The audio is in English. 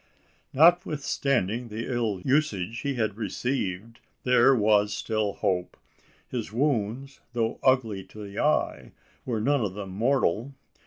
Notwithstanding the ill usage he had received, there was still hope. His wounds, though ugly to the eye, were none of them mortal.